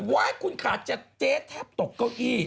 ว้ายคุณคะแถบจะเจ๊ตกเก้าอี้